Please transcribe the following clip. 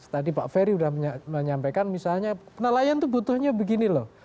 tadi pak ferry sudah menyampaikan misalnya nelayan itu butuhnya begini loh